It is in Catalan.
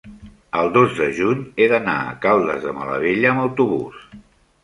el dos de juny he d'anar a Caldes de Malavella amb autobús.